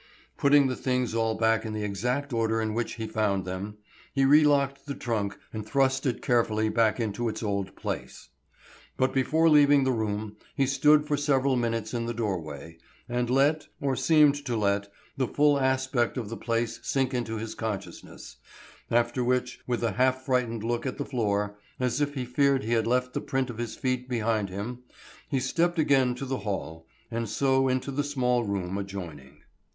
Putting the things all back in the exact order in which he found them, he relocked the trunk and thrust it carefully back into its old place. But before leaving the room he stood for several minutes in the doorway, and let, or seemed to let, the full aspect of the place sink into his consciousness, after which with a half frightened look at the floor, as if he feared he had left the print of his feet behind him, he stepped again to the hall, and so into a small room adjoining.